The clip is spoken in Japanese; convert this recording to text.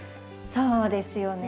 そうですよね。